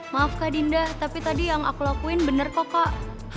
maaf kak dinda tapi tadi yang aku lakuin benar kok kak